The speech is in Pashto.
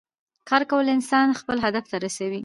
کار کول انسان خپل هدف ته رسوي